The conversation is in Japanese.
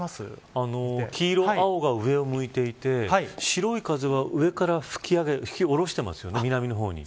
黄色、青が上を向いていて白い風が上から吹き下ろしてますよね、南の方に。